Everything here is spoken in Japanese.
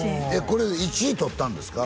これで１位取ったんですか？